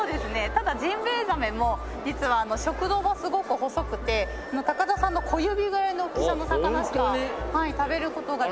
ただジンベエザメも実は食道がすごく細くて高田さんの小指ぐらいの大きさの魚しか食べる事ができない。